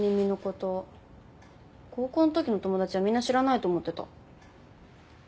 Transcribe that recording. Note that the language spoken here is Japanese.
高校んときの友達はみんな知らないと思ってた。